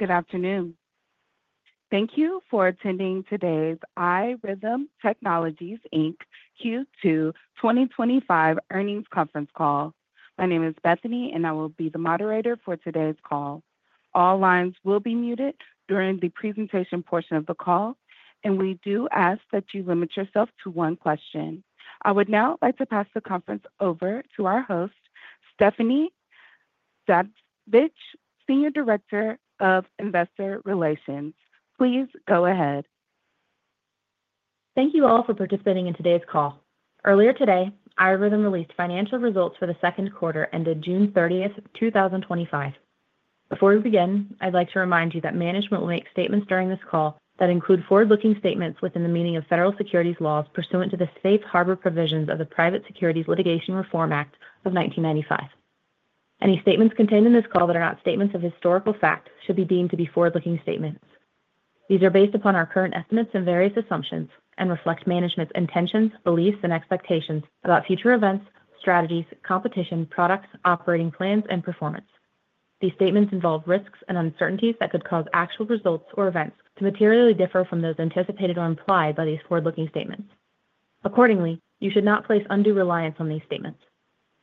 Good afternoon. Thank you for attending today's iRhythm Technologies, Inc. Q2 2025 earnings conference call. My name is Bethany and I will be the moderator for today's call. All lines will be muted during the presentation portion of the call and we do ask that you limit yourself to one question. I would now like to pass the conference over to our host, so Stephanie Zhadkevich, Senior Director of Investor Relations, please go ahead. Thank you all for participating in today's call. Earlier today, iRhythm released financial results for the second quarter ended June 30th, 2025. Before we begin, I'd like to remind you that management will make statements during this call that include forward-looking statements within the meaning of federal securities laws pursuant to the safe harbor provisions of the Private Securities Litigation Reform Act of 1995. Any statements contained in this call that are not statements of historical fact should be deemed to be forward-looking statements. These are based upon our current estimates and various assumptions and reflect management's intentions, beliefs, and expectations about future events, strategies, competition, products, operating plans, and performance. These statements involve risks and uncertainties that could cause actual results or events to materially differ from those anticipated or implied by these forward-looking statements. Accordingly, you should not place undue reliance on these statements.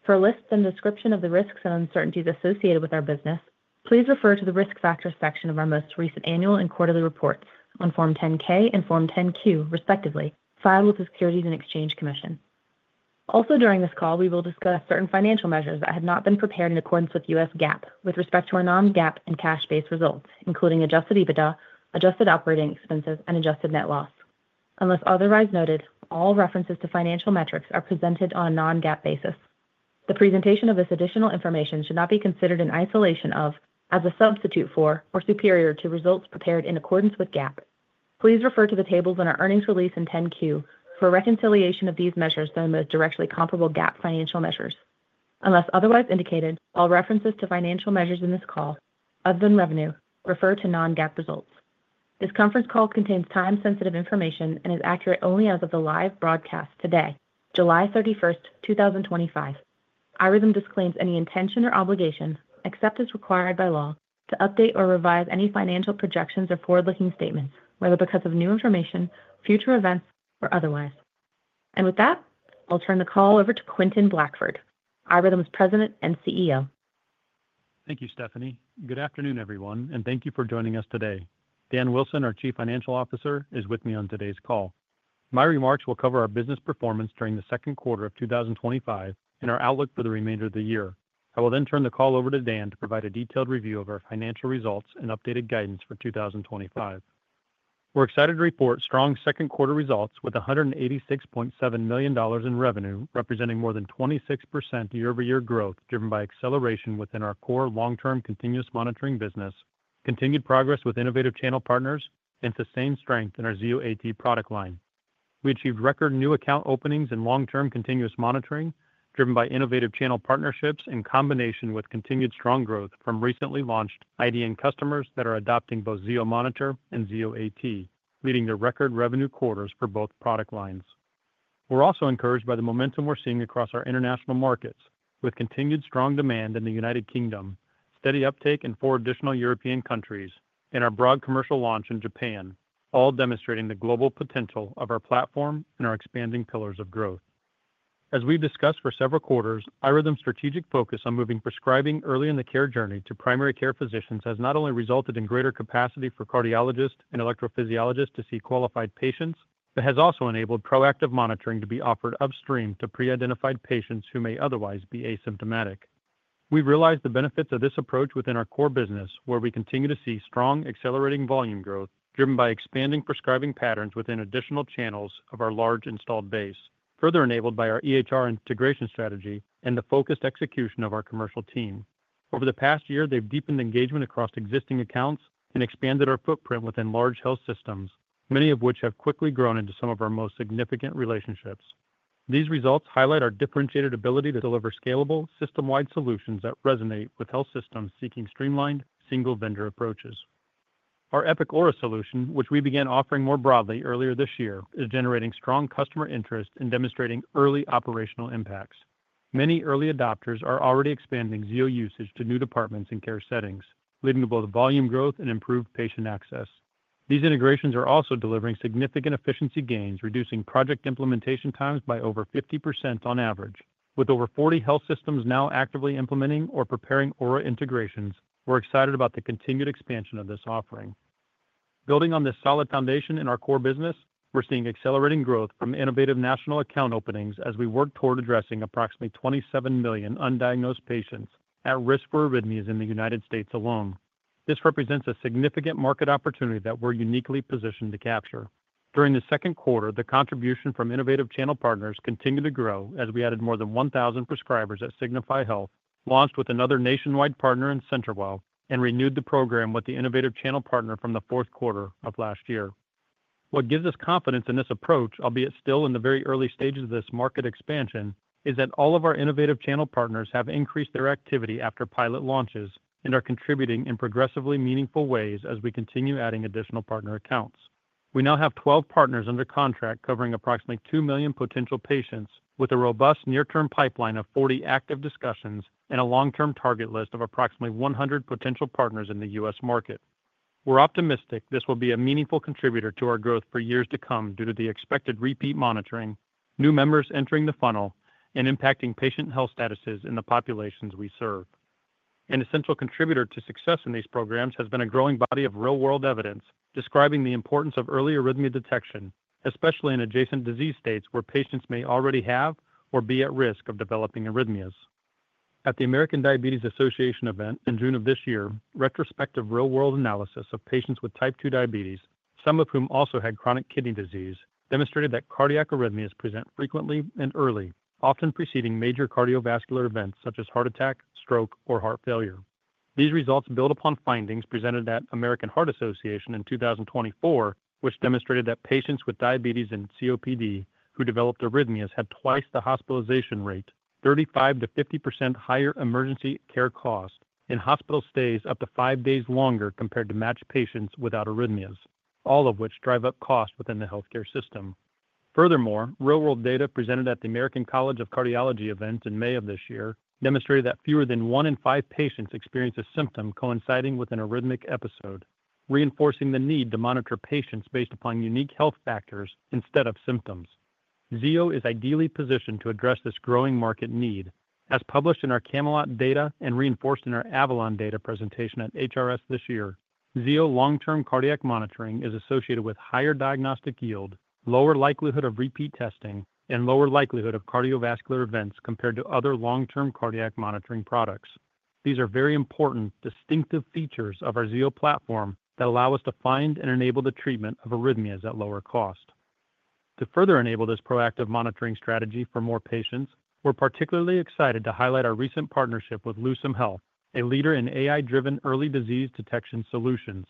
For a list and description of the risks and uncertainties associated with our business, please refer to the Risk Factors section of our most recent Annual and Quarterly reports on Form 10-K and Form 10-Q, respectively, filed with the Securities and Exchange Commission. Also, during this call we will discuss certain financial measures that have not been prepared in accordance with U.S. GAAP with respect to our non-GAAP and cash-based results including adjusted EBITDA, adjusted operating expenses, and adjusted net loss. Unless otherwise noted, all references to financial metrics are presented on a non-GAAP basis. The presentation of this additional information should not be considered in isolation of or as a substitute for or superior to results prepared in accordance with GAAP. Please refer to the tables in our earnings release and 10-Q for a reconciliation of these measures to the most directly comparable GAAP financial measures. Unless otherwise indicated, all references to financial measures in this call other than revenue refer to non-GAAP results. This conference call contains time-sensitive information and is accurate only as of the live broadcast today, July 31st, 2025. iRhythm disclaims any intention or obligation, except as required by law, to update or revise any financial projections or forward-looking statements, whether because of new information, future events, or otherwise. With that, I'll turn the call over to Quentin Blackford, iRhythm's President and CEO. Thank you, Stephanie. Good afternoon everyone and thank you for joining us today. Dan Wilson, our Chief Financial Officer, is with me on today's call. My remarks will cover our business performance during the second quarter of 2025 and our outlook for the remainder of the year. I will then turn the call over to Dan to provide a detailed review of our financial results and updated guidance for 2025. We're excited to report strong second quarter results with $186.7 million in revenue, representing more than 26% year-over-year growth driven by acceleration within our core long-term continuous monitoring business, continued progress with innovative channel partners, and sustained strength in our Zio AT product line. We achieved record new account openings in long-term continuous monitoring driven by innovative channel partnerships, in combination with continued strong growth from recently launched IDN customers that are adopting both Zio Monitor and Zio AT, leading to record revenue quarters for both product lines. We're also encouraged by the momentum we're seeing across our international markets, with continued strong demand in the United Kingdom, steady uptake in four additional European countries, and our broad commercial launch in Japan, all demonstrating the global potential of our platform and our expanding pillars of growth. As we've discussed for several quarters, iRhythm's strategic focus on moving prescribing early in the care journey to primary care physicians has not only resulted in greater capacity for cardiologists and electrophysiologists to see qualified patients, but has also enabled proactive monitoring to be offered upstream to pre-identified patients who may otherwise be asymptomatic. We realized the benefits of this approach within our core business, where we continue to see strong, accelerating volume growth driven by expanding prescribing patterns within additional channels of our large installed base. Further enabled by our EHR integration strategy and the focused execution of our commercial team over the past year, they've deepened engagement across existing accounts and expanded our footprint within large health systems, many of which have quickly grown into some of our most significant relationships. These results highlight our differentiated ability to deliver scalable, system-wide solutions that resonate with health systems seeking streamlined single-vendor approaches. Our Epic Aura solution, which we began offering more broadly earlier this year, is generating strong customer interest and demonstrating early operational impacts. Many early adopters are already expanding Zio usage to new departments and care settings, leading to both volume growth and improved patient access. These integrations are also delivering significant efficiency gains, reducing project implementation times by over 50% on average. With over 40 health systems now actively implementing or preparing Aura integrations, we're excited about the continued expansion of this offering. Building on this solid foundation in our core business, we're seeing accelerating growth from innovative national account openings as we work toward addressing approximately 27 million undiagnosed patients at risk for arrhythmias in the U.S. alone. This represents a significant market opportunity that we're uniquely positioned to capture. During the second quarter, the contribution from innovative channel partners continued to grow as we added more than 1,000 prescribers at Signify Health, launched with another nationwide partner in CenterWell, and renewed the program with the innovative channel partner from the fourth quarter of last year. What gives us confidence in this approach, albeit still in the very early stages of this market expansion, is that all of our innovative channel partners have increased their activity after pilot launches and are contributing in progressively meaningful ways as we continue adding additional partner accounts. We now have 12 partners under contract covering approximately 2 million potential patients, with a robust near term pipeline of 40 active discussions and a long term target list of approximately 100 potential partners in the U.S. market. We're optimistic this will be a meaningful contributor to our growth for years to come due to the expected repeat monitoring, new members entering the funnel, and impacting patient health statuses in the populations we serve. An essential contributor to success in these programs has been a growing body of real-world evidence describing the importance of early arrhythmia detection, especially in adjacent disease states where patients may already have or be at risk of developing arrhythmias. At the American Diabetes Association event in June of this year, retrospective real-world analysis of patients with type 2 diabetes, some of whom also had chronic kidney disease, demonstrated that cardiac arrhythmias present frequently and early, often preceding major cardiovascular events such as heart attack, stroke, or heart failure. These results build upon findings presented at American Heart Association in 2024, which demonstrated that patients with diabetes and COPD who developed arrhythmias had twice the hospitalization rate, 35%-50% higher emergency care costs, and hospital stays up to five days longer compared to matched patients without arrhythmias, all of which drive up cost within the healthcare system. Furthermore, real-world data presented at the American College of Cardiology events in May of this year demonstrated that fewer than one in five patients experience a symptom coinciding with an arrhythmic episode, reinforcing the need to monitor patients based upon unique health factors instead of symptoms. Zio is ideally positioned to address this growing market need. As published in our Camelot data and reinforced in our Avalon data presentation at HRS this year, Zio long-term cardiac monitoring is associated with higher diagnostic yield, lower likelihood of repeat testing, and lower likelihood of cardiovascular events compared to other long-term cardiac monitoring products. These are very important distinctive features of our Zio platform that allow us to find and enable the treatment of arrhythmias at lower cost. To further enable this proactive monitoring strategy for more patients, we're particularly excited to highlight our recent partnership with Lucem Health, a leader in AI-driven early disease detection solutions.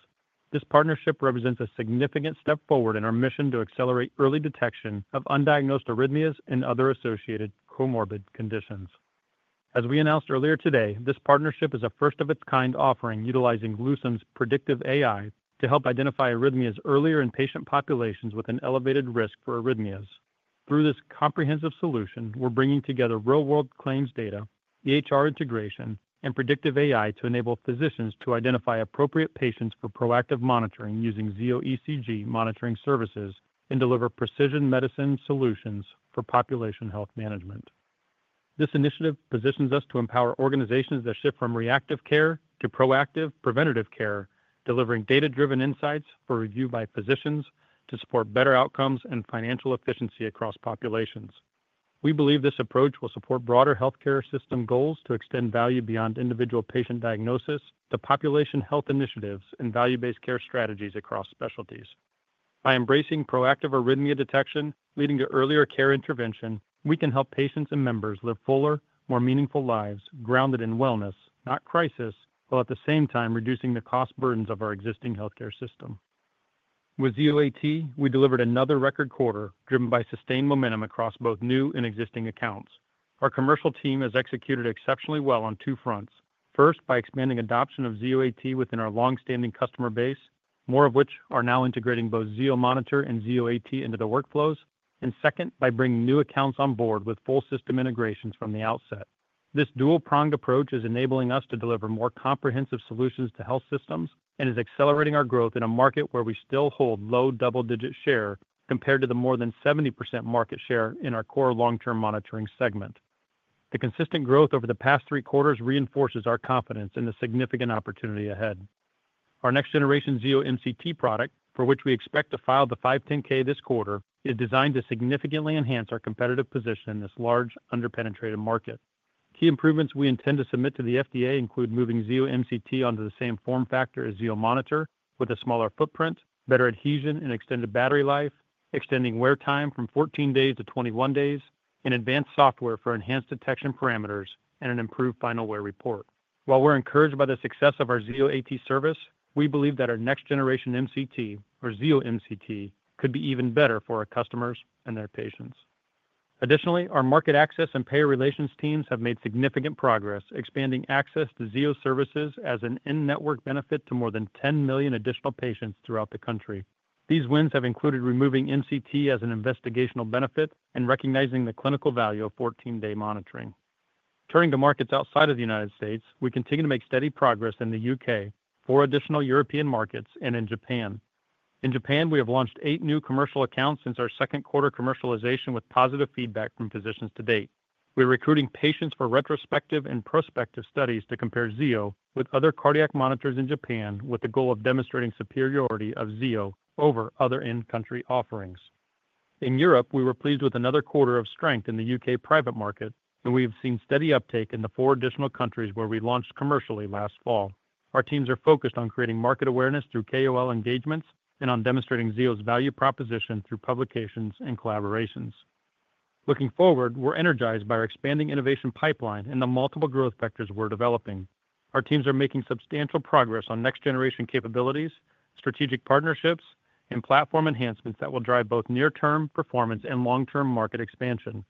This partnership represents a significant step forward in our mission to accelerate early detection of undiagnosed arrhythmias and other associated comorbid conditions. As we announced earlier today, this partnership is a first-of-its-kind offering utilizing Lucem's predictive AI to help identify arrhythmias earlier in patient populations with an elevated risk for arrhythmias. Through this comprehensive solution, we're bringing together real-world claims data, EHR integration, and predictive AI to enable physicians to identify appropriate patients for proactive monitoring using Zio ECG monitoring services and deliver precision medicine solutions for population health management. This initiative positions us to empower organizations that shift from reactive care to proactive preventative care, delivering data-driven insights for review by physicians to support better outcomes and financial efficiency across populations. We believe this approach will support broader healthcare system goals to extend value beyond individual patient diagnosis to population health initiatives and value-based care strategies across specialties. By embracing proactive arrhythmia detection leading to earlier care intervention, we can help patients and members live fuller, more meaningful lives grounded in wellness, not crisis, while at the same time reducing the cost burdens of our existing healthcare system. With Zio AT, we delivered another record quarter driven by sustained momentum across both new and existing accounts. Our commercial team has executed exceptionally well on two fronts. First, by expanding adoption of Zio AT within our long-standing customer base, more of which are now integrating both Zio Monitor and Zio AT into the workflows, and second, by bringing new accounts on board with full system integrations from the outset. This dual-pronged approach is enabling us to deliver more comprehensive solutions to health systems and is accelerating our growth in a market where we still hold low double-digit share compared to the more than 70% market share in our core long-term monitoring segment. The consistent growth over the past three quarters reinforces our confidence in the significant opportunity ahead. Our next-generation Zio MCT product, for which we expect to file the 510(k) this quarter, is designed to significantly enhance our competitive position in this large underpenetrated market. Key improvements we intend to submit to the FDA include moving Zio MCT onto the same form factor as Zio Monitor with a smaller footprint, better adhesion and extended battery life, extending wear time from 14 days to 21 days, and advanced software for enhanced detection parameters and an improved final wear report. While we're encouraged by the success of our Zio AT service, we believe that our next-generation MCT or Zio MCT could be even better for our customers and their patients. Additionally, our market access and payer relations teams have made significant progress expanding access to Zio services as an in-network benefit to more than 10 million additional patients throughout the country. These wins have included removing MCT as an investigational benefit and recognizing the clinical value of 14 day monitoring. Turning to markets outside of the U.S., we continue to make steady progress in the U.K., four additional European countries, and in Japan. In Japan, we have launched eight new commercial accounts since our second quarter commercialization with positive feedback from physicians. To date, we're recruiting patients for retrospective and prospective studies to compare Zio with other cardiac monitors in Japan with the goal of demonstrating superiority of Zio over other in-country offerings. In Europe, we were pleased with another quarter of strength in the U.K. private market, and we have seen steady uptake in the four additional countries where we launched commercially last fall. Our teams are focused on creating market awareness through KOL engagements and on demonstrating Zio's value proposition through publications and collaborations. Looking forward, we're energized by our expanding innovation pipeline and the multiple growth vectors we're developing. Our teams are making substantial progress on next generation capabilities, strategic partnerships, and platform enhancements that will drive both near term performance and long term market expansion.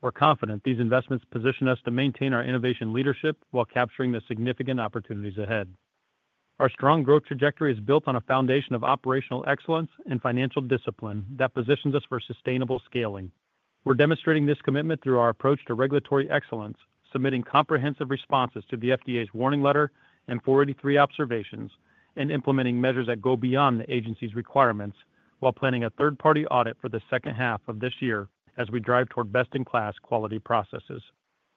We're confident these investments position us to maintain our innovation leadership while capturing the significant opportunities ahead. Our strong growth trajectory is built on a foundation of operational excellence and financial discipline that positions us for sustainable scaling. We're demonstrating this commitment through our approach to regulatory excellence, submitting comprehensive responses to the FDA's warning letter and 483 observations, and implementing measures that go beyond the Agency's requirements while planning a third-party audit for the second half of this year as we drive toward best in class quality processes.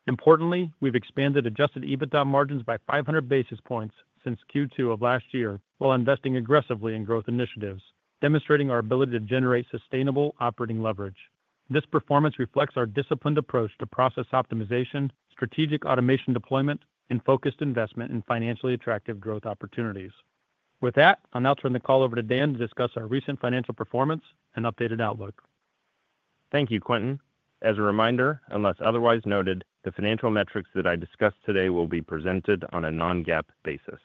Importantly, we've expanded adjusted EBITDA margins by 500 basis points since Q2 of last year while investing aggressively in growth initiatives, demonstrating our ability to generate sustainable operating leverage. This performance reflects our disciplined approach to process optimization, strategic automation deployment, and focused investment in financially attractive growth opportunities. With that, I'll now turn the call over to Dan to discuss our recent financial performance and updated outlook. Thank you, Quentin. As a reminder, unless otherwise noted, the financial metrics that I discuss today will be presented on a non-GAAP basis.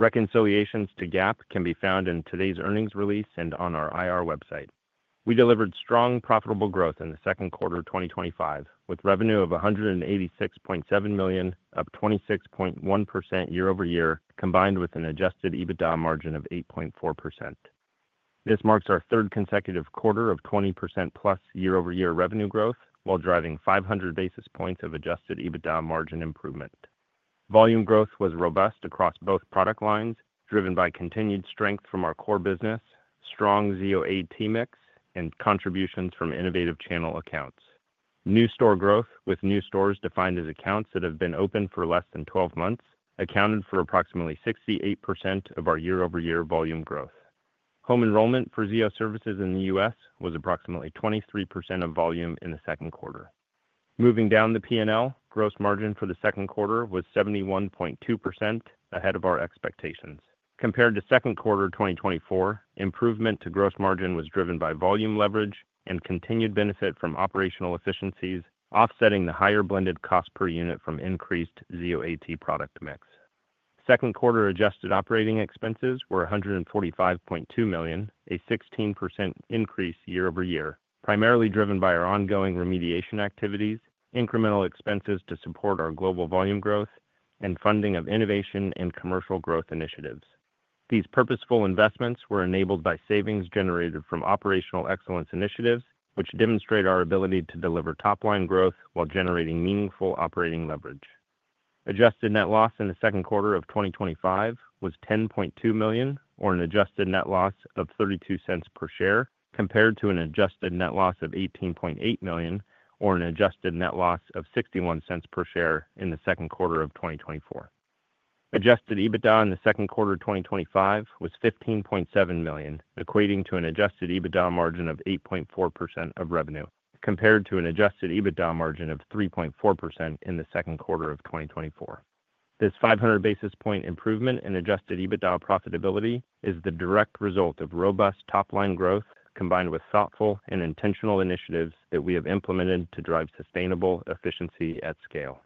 Reconciliations to GAAP can be found in today's earnings release and on our IR website. We delivered strong, profitable growth in the second quarter 2025 with revenue of $186.7 million, up 26.1% year-over-year, combined with an adjusted EBITDA margin of 8.4%. This marks our third consecutive quarter of 20%+ year-over-year revenue growth while driving 500 basis points of adjusted EBITDA margin improvement. Volume growth was robust across both product lines, driven by continued strength from our core business, strong Zio AT mix, and contributions from innovative channel accounts. New store growth, with new stores defined as accounts that have been open for less than 12 months, accounted for approximately 68% of our year-over-year volume growth. Home enrollment for Zio services in the U.S. was approximately 23% of volume in the second quarter. Moving down the P&L, gross margin for the second quarter was 71.2%, ahead of our expectations compared to second quarter 2024. Improvement to gross margin was driven by volume leverage and continued benefit from operational efficiencies, offsetting the higher blended cost per unit from increased Zio AT product mix. Second quarter adjusted operating expenses were $145.2 million, a 16% increase year-over-year, primarily driven by our ongoing remediation activities, incremental expenses to support our global volume growth, and funding of innovation and commercial growth initiatives. These purposeful investments were enabled by savings generated from operational excellence initiatives, which demonstrate our ability to deliver top line growth while generating meaningful operating leverage. Adjusted net loss in the second quarter of 2025 was $10.2 million, or an adjusted net loss of $0.32 per share, compared to an adjusted net loss of $18.8 million, or an adjusted net loss of $0.61 per share in the second quarter of 2024. Adjusted EBITDA in the second quarter 2025 was $15.7 million, equating to an adjusted EBITDA margin of 8.4% of revenue, compared to an adjusted EBITDA margin of 3.4% in the second quarter of 2024. This 500 basis point improvement in adjusted EBITDA profitability is the direct result of robust top line growth combined with thoughtful and intentional initiatives that we have implemented to drive sustainable efficiency at scale.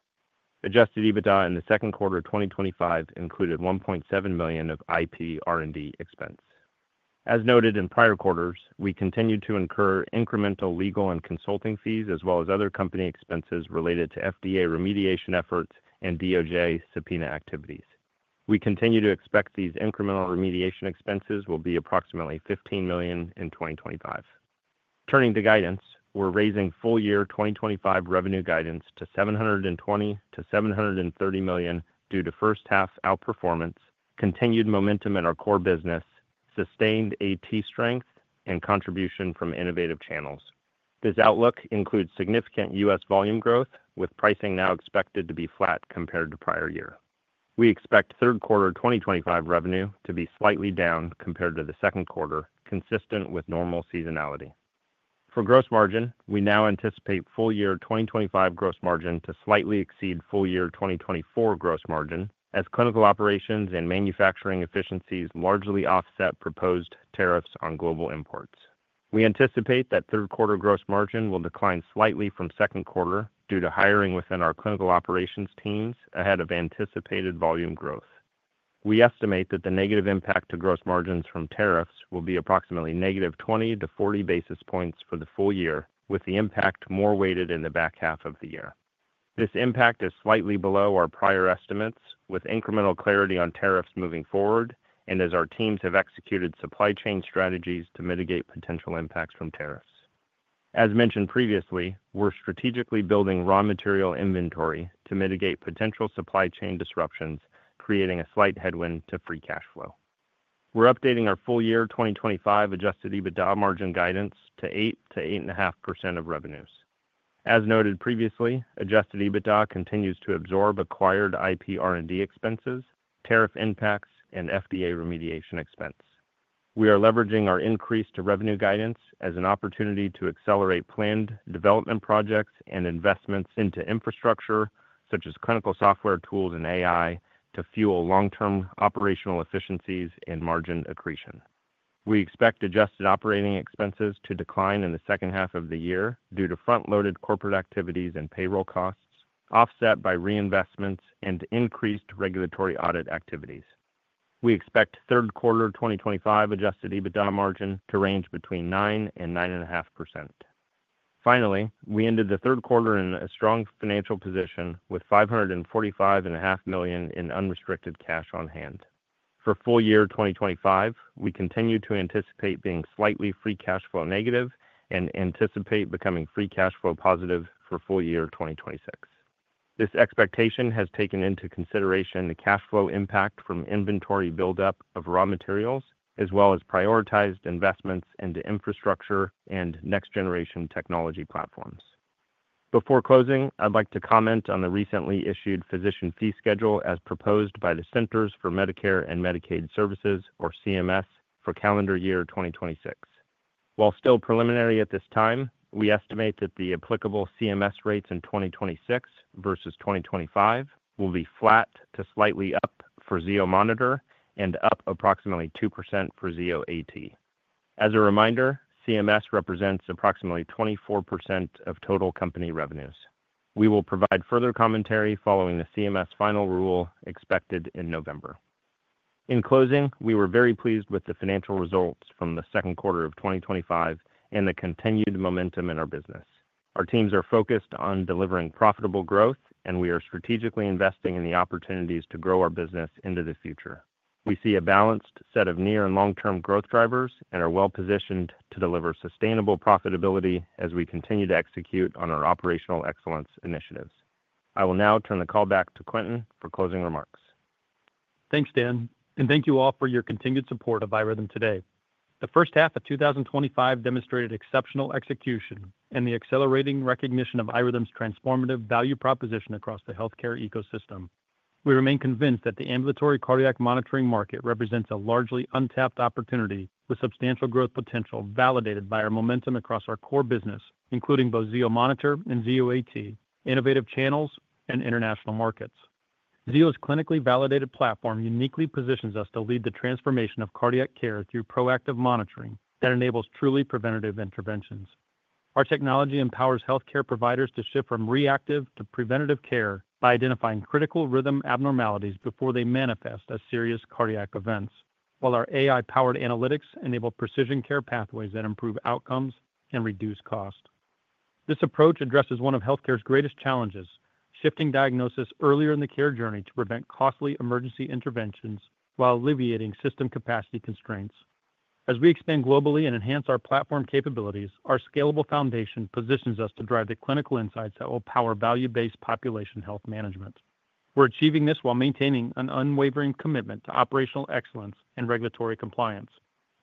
Adjusted EBITDA in the second quarter 2025 included $1.7 million of IP R&D expense. As noted in prior quarters, we continue to incur incremental legal and consulting fees as well as other company expenses related to FDA remediation efforts and DOJ subpoena activities. We continue to expect these incremental remediation expenses will be approximately $15 million in 2025. Turning to guidance, we're raising full year 2025 revenue guidance to $720 million-$730 million due to first half outperformance, continued momentum in our core business, sustained strength and contribution from innovative channels. This outlook includes significant U.S. volume growth with pricing now expected to be flat compared to prior year. We expect third quarter 2025 revenue to be slightly down compared to the second quarter, consistent with normal seasonality. For gross margin, we now anticipate full year 2025 gross margin to slightly exceed full year 2024 gross margin as clinical operations and manufacturing efficiencies largely offset proposed tariffs on global imports. We anticipate that third quarter gross margin will decline slightly from second quarter due to hiring within our clinical operations teams ahead of anticipated volume growth. We estimate that the negative impact to gross margins from tariffs will be approximately -20 to 40 basis points for the full year, with the impact more weighted in the back half of the year. This impact is slightly below our prior estimates, with incremental clarity on tariffs moving forward and as our teams have executed supply chain strategies to mitigate potential impacts from tariffs. As mentioned previously, we're strategically building raw material inventory to mitigate potential supply chain disruptions, creating a slight headwind to free cash flow. We're updating our full year 2025 adjusted EBITDA margin guidance to 8%-8.5% of revenues. As noted previously, adjusted EBITDA continues to absorb acquired IP R&D expenses, tariff impacts and FDA remediation expense. We are leveraging our increase to revenue guidance as an opportunity to accelerate planned development projects and investments into infrastructure such as clinical software tools and AI to fuel long term operational efficiencies and margin accretion. We expect adjusted operating expenses to decline in the second half of the year due to front loaded corporate activities and payroll costs offset by reinvestments and increased regulatory audit activities. We expect third quarter 2025 adjusted EBITDA margin to range between 9% and 9.5%. Finally, we ended the third quarter in a strong financial position with $545.5 million in unrestricted cash on hand for full year 2025. We continue to anticipate being slightly free cash flow negative and anticipate becoming free cash flow positive for full year 2026. This expectation has taken into consideration the cash flow impact from inventory buildup of raw materials as well as prioritized investments into infrastructure and next generation technology platforms. Before closing, I'd like to comment on the recently issued Physician Fee Schedule as proposed by the Centers for Medicare & Medicaid Services, or CMS, for calendar year 2026. While still preliminary at this time, we estimate that the applicable CMS rates in 2026 versus 2025 will be flat to slightly up for Zio Monitor and up approximately 2% for Zio AT. As a reminder, CMS represents approximately 24% of total company revenues. We will provide further commentary following the CMS final rule expected in November. In closing, we were very pleased with the financial results from the second quarter of 2025 and the continued momentum in our business. Our teams are focused on delivering profitable growth and we are strategically investing in the opportunities to grow our business into the future. We see a balanced set of near and long term growth drivers and are well positioned to deliver sustainable profitability as we continue to execute on our operational excellence initiatives. I will now turn the call back to Quentin for closing remarks. Thanks, Dan, and thank you all for your continued support of iRhythm today. The first half of 2025 demonstrated exceptional execution and the accelerating recognition of iRhythm's transformative value proposition across the healthcare ecosystem. We remain convinced that the ambulatory cardiac monitoring market represents a largely untapped opportunity with substantial growth potential validated by our momentum across our core business, including both Zio Monitor and Zio AT innovative channels and international markets. Zio's clinically validated platform uniquely positions us to lead the transformation of cardiac care through proactive monitoring that enables truly preventative interventions. Our technology empowers healthcare providers to shift from reactive to preventative care by identifying critical rhythm abnormalities before they manifest as serious cardiac events. While our AI-powered analytics enable precision care pathways that improve outcomes and reduce cost, this approach addresses one of healthcare's greatest challenges, shifting diagnosis earlier in the care journey to prevent costly emergency interventions while alleviating system capacity constraints. As we expand globally and enhance our platform capabilities, our scalable foundation positions us to drive the clinical insights that will power value-based population health management. We're achieving this while maintaining an unwavering commitment to operational excellence and regulatory compliance.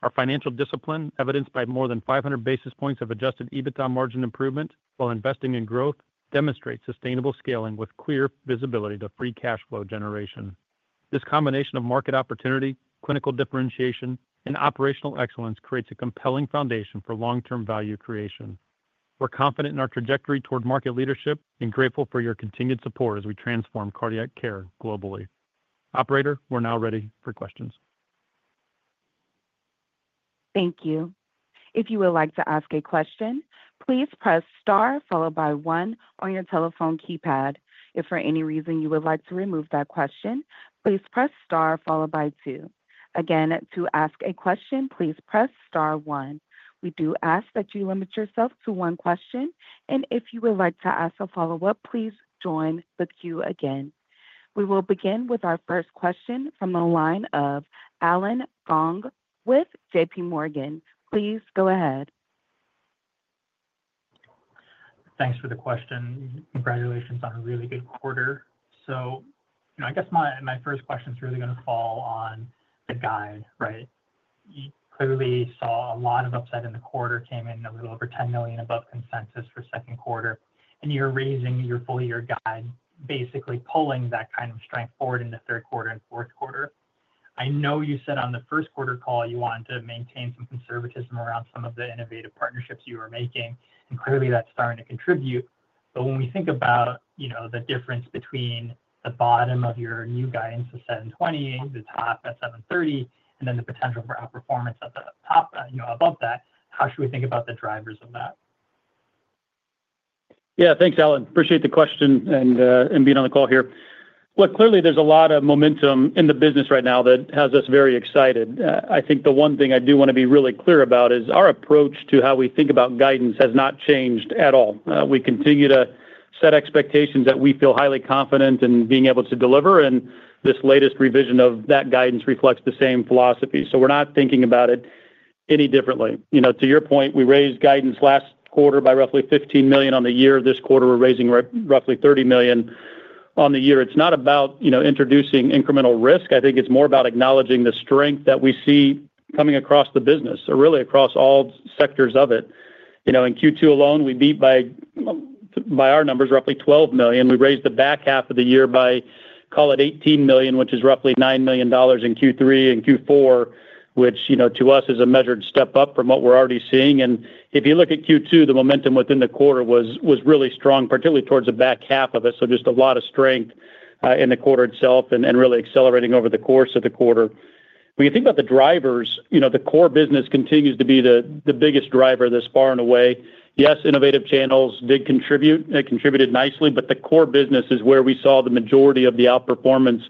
Our financial discipline, evidenced by more than 500 basis points of adjusted EBITDA margin improvement while investing in growth, demonstrates sustainable scaling with clear visibility to free cash flow generation. This combination of market opportunity, clinical differentiation, and operational excellence creates a compelling foundation for long-term value creation. We're confident in our trajectory toward market leadership and grateful for your continued support as we transform cardiac care globally. Operator, we're now ready for questions. Thank you. If you would like to ask a question, please press star followed by one on your telephone keypad. If for any reason you would like to remove that question, please press star followed by two. Again, to ask a question, please press star one. We do ask that you limit yourself to one question. If you would like to ask a follow up, please join the queue. Again, we will begin with our first question from the line of Allen Gong with JPMorgan. Please go ahead. Thanks for the question. Congratulations on a really good quarter. I guess my first question is. Really going to fall on the guide, right? You clearly saw a lot of upside. In the quarter, came in a little over $10 million above consensus for second quarter, and you're raising your full year guide, basically pulling that kind of strength forward in the third quarter and fourth quarter. I know you said on the first. Quarter call you wanted to maintain some conservatism around some of the innovative partnerships you were making, and clearly that's starting to contribute. When we think about, you know. The difference between the bottom of your new guidance of $720 million, the top at. $730 million, and then the potential for outperformance at the top, above that, how should we think about the drivers of that? Yeah, thanks, Allen. Appreciate the question and being on the call here. Clearly there's a lot of momentum in the business right now that has us very excited. I think the one thing I do want to be really clear about is our approach to how we think about guidance has not changed at all. We continue to set expectations that we feel highly confident in being able to deliver, and this latest revision of that guidance reflects the same philosophy. We're not thinking about it any differently. To your point, we raised guidance last quarter by roughly $15 million on the year. This quarter we're raising roughly $30 million on the year. It's not about introducing incremental risk. I think it's more about acknowledging the strength that we see coming across the business or really across all sectors of it. In Q2 alone, we beat by our numbers roughly $12 million. We raised the back half of the year by, call it, $18 million, which is roughly $9 million in Q3 and Q4, which to us is a measured step up from what we're already seeing. If you look at Q2, the momentum within the quarter was really strong, particularly towards the back half of it. Just a lot of strength in the quarter itself and really accelerating over the course of the quarter. When you think about the drivers, the core business continues to be the biggest driver this far and away. Yes, innovative channels did contribute, they contributed nicely, but the core business is where we saw the majority of the outperformance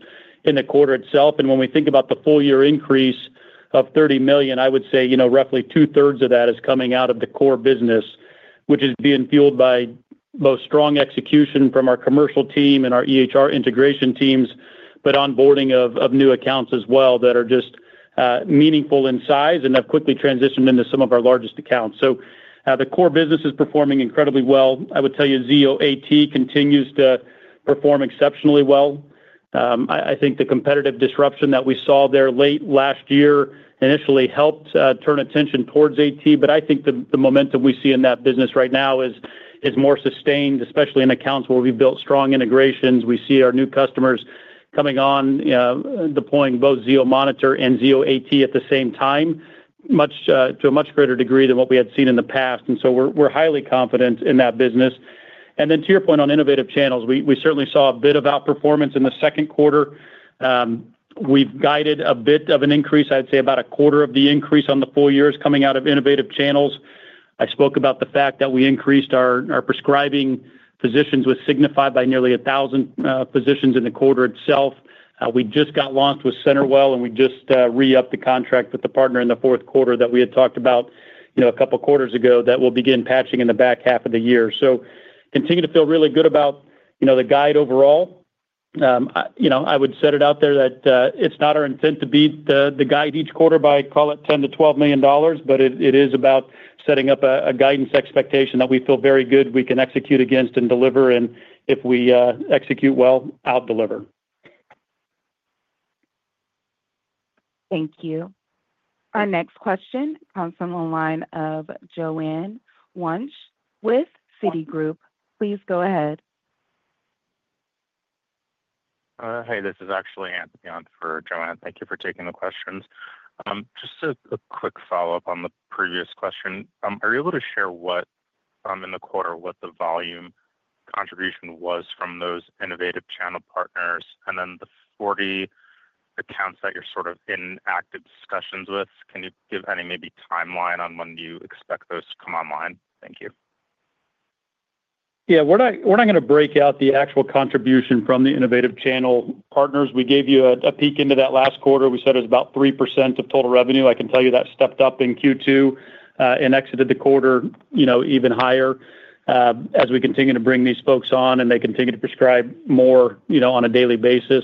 in the quarter itself. When we think about the full year increase of $30 million, I would say roughly two thirds of that is coming out of the core business, which is being fueled by both strong execution from our commercial team and our EHR integration teams, but onboarding of new accounts as well that are just meaningful in size and have quickly transitioned into some of our largest accounts. The core business is performing incredibly well. I would tell you, Zio AT continues to perform exceptionally well. I think the competitive disruption that we saw there late last year initially helped turn attention towards AT, but I think the momentum we see in that business right now is more sustained, especially in accounts where we built strong integrations. We see our new customers coming on, deploying both Zio Monitor and Zio AT at the same time to a much greater degree than what we had seen in the past. We're highly confident in that business. To your point on innovative channels, we certainly saw a bit of outperformance in the second quarter. We've guided a bit of an increase, I'd say about a quarter of the increase on the full year is coming out of innovative channels. I spoke about the fact that we increased our prescribing positions with Signify by nearly 1,000 positions in the quarter itself. We just got launched with CenterWell, and we just re-upped the contract with the partner in the fourth quarter that we had talked about a couple quarters ago that will begin patching in the back half of the year. We continue to feel really good about the guide overall. I would set it out there that it's not our intent to beat the guide each quarter by, call it, $10 million-$12 million. It is about setting up a guidance expectation that we feel very good we can execute against and deliver, and if we execute well, out-deliver. Thank you. Our next question comes from the line of Joanne Wuensch with Citigroup. Please go ahead. Hi, this is actually Anthony on for Joanne. Thank you for taking the questions. Just a quick follow up on the previous question. Are you able to share what in the quarter, what the volume contribution was from those innovative channel partners, and then the 40 accounts that you're sort of in active discussions with, can you give any, maybe timeline on when you expect those to come online? Thank you. Yeah, we're not going to break out the actual contribution from the innovative channel partners. We gave you a peek into that last quarter. We said it was about 3% of total revenue. I can tell you that stepped up in Q2 and exited the quarter, you know, even higher as we continue to bring these folks on and they continue to prescribe more, you know, on a daily basis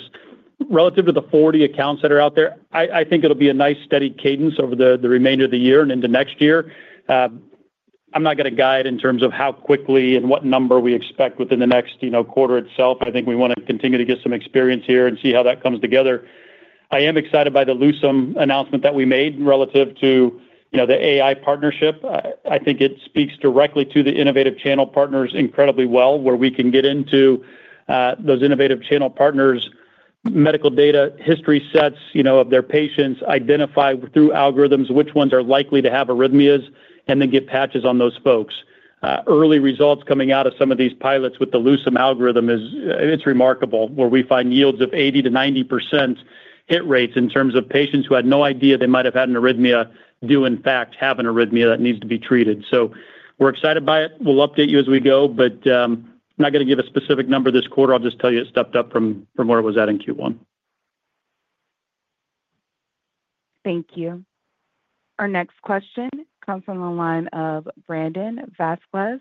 relative to the 40 accounts that are out there. I think it'll be a nice steady cadence over the remainder of the year and into next year. I'm not going to guide in terms of how quickly and what number we expect within the next quarter itself. I think we want to continue to get some experience here and see how that comes together. I am excited by the Lucem announcement that we made relative to the AI partnership. I think it speaks directly to the innovative channel partners incredibly well. Where we can get into those innovative channel partners' medical data history sets of their patients, identify through algorithms which ones are likely to have arrhythmias and then get patches on those folks. Early results coming out of some of these pilots with the Lucem algorithm is it's remarkable where we find yields of 80%-90% hit rates in terms of patients who had no idea they might have had an arrhythmia do in fact have an arrhythmia that needs to be treated. We're excited by it. We'll update you as we go, but not going to give a specific number this quarter. I'll just tell you it stepped up from where it was at in Q1. Thank you. Our next question comes from the line of Brandon Vazquez